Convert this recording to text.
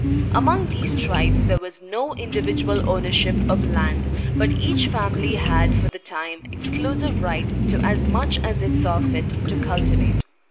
Among these tribes there was no individual ownership of land, but each family had for the time exclusive right to as much as it saw fit to cultivate.